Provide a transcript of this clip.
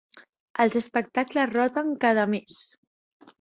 Els espectacles roten cada mes.